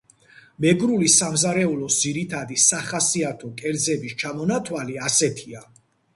მეგრული სამზარეულოს ძირითადი და სახასიათო კერძების ჩამონათვალი ასეთია